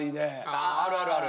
ああるあるある。